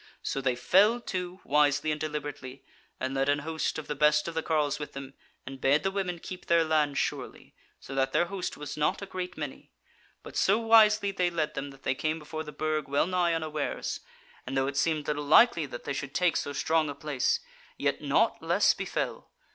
So they fell to, wisely and deliberately, and led an host of the best of the carles with them, and bade the women keep their land surely, so that their host was not a great many. But so wisely they led them that they came before the Burg well nigh unawares; and though it seemed little likely that they should take so strong a place, yet nought less befell.